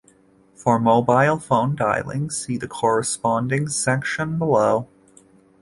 For mobile phone dialing, see the corresponding section below.